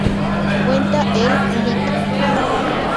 Cuenta el Lic.